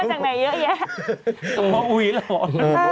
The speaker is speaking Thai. ถรื่อมาจากไหนเยอะแยะ